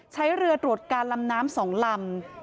ใช้เรือตรวจการลำน้ำ๒ลำ